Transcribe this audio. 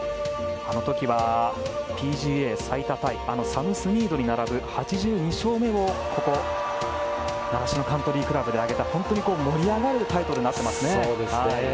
あの時はＰＧＡ最多タイサム・スニードに並ぶ８２勝目をここ習志野カントリークラブで挙げた、本当に盛り上がるタイトルになっていますね。